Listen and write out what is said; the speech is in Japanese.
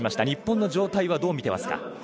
日本の状態はどう見ていますか。